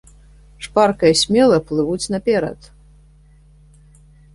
Шпарка і смела плывуць наперад.